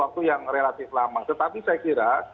waktu yang relatif lama tetapi saya kira